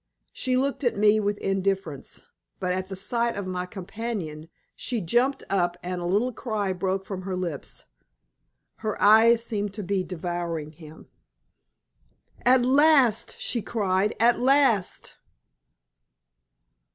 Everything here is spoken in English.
She looked at me with indifference, but at the sight of my companion she jumped up and a little cry broke from her lips. Her eyes seemed to be devouring him. "At last!" she cried. "At last!"